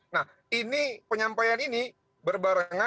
nah ini penyampaian ini berbarengan